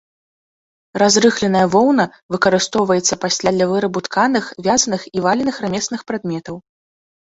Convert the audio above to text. Разрыхленая воўна выкарыстоўваецца пасля для вырабу тканых, вязаных і валеных рамесных прадметаў.